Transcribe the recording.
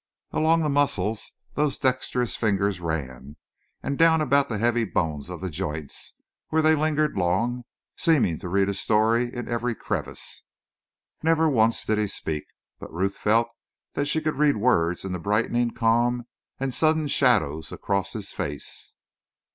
Along the muscles those dexterous fingers ran, and down about the heavy bones of the joints, where they lingered long, seeming to read a story in every crevice. Never once did he speak, but Ruth felt that she could read words in the brightening, calm, and sudden shadows across his face.